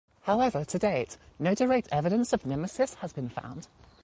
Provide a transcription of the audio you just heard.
However, to date no direct evidence of Nemesis has been found.